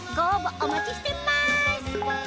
お待ちしてます